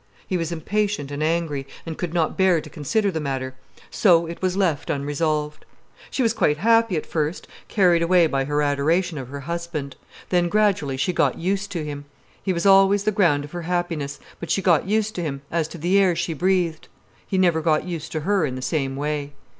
He was impatient and angry, and could not bear to consider the matter. So it was left unresolved. She was quite happy at first, carried away by her adoration of her husband. Then gradually she got used to him. He always was the ground of her happiness, but she got used to him, as to the air she breathed. He never got used to her in the same way.